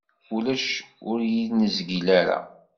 Ulac acu ur yi-nezgil ara.